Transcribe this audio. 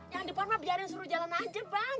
yang depan biarin suruh jalan aja bang